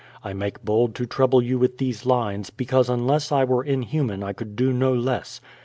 I make bold to trouble you with these lines, because unless I were inhuman I could do no less.